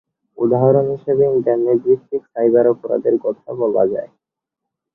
উদাহরণ হিসেবে ইন্টারনেট ভিত্তিক সাইবার অপরাধের কথা বলা যায়।